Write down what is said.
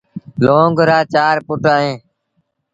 لونگ رآ چآر پُٽ اهيݩ۔